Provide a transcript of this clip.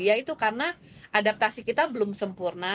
yaitu karena adaptasi kita belum sempurna